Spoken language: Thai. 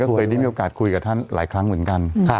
เคยได้มีโอกาสคุยกับท่านหลายครั้งเหมือนกัน